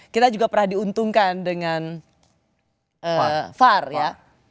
kita juga pernah diuntungkan dengan var ya